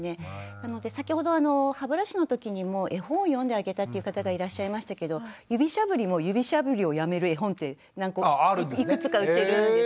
なので先ほど歯ブラシのときにも絵本を読んであげたという方がいらっしゃいましたけど指しゃぶりも指しゃぶりをやめる絵本っていくつか売ってるんですね。